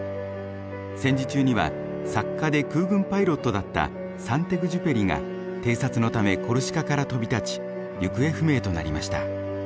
戦時中には作家で空軍パイロットだったサンテグジュペリが偵察のためコルシカから飛び立ち行方不明となりました。